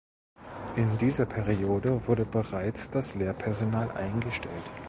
In dieser Periode wurde bereits das Lehrpersonal eingestellt.